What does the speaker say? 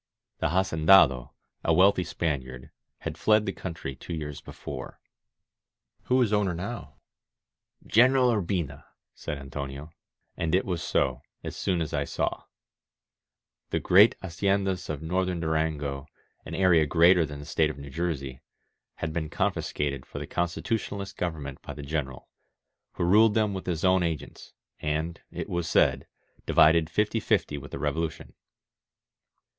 The haceridado, a wealthy Spaniard, had fled the country two years before. "Who is owner now?'* "General Urbina," said Antonio. And it was so, as I soon saw. The great haciendas of Northern Du rango, an area greater than the State of New Jersey, had been confiscated for the Constitutionalist govern ment by the General, who ruled them with his own agents, and, it was said, divided fifty fifty with the Revolution.